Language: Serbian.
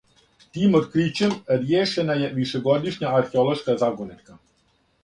Тим открићем ријешена је вишегодишња археолошка загонетка.